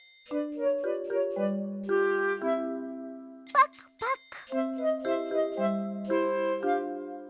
パクパク。